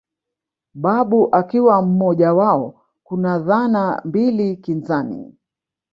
Babu akiwa mmoja wao Kuna dhana mbili kinzani